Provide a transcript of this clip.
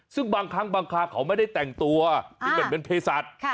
ซึ่งบางครั้งบางคราเขาไม่ได้แต่งตัวที่เหมือนเพศัตริย์